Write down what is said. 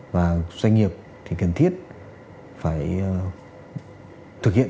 và doanh nghiệp thì cần thiết phải thực hiện